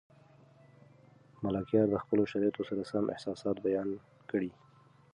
ملکیار د خپلو شرایطو سره سم احساسات بیان کړي.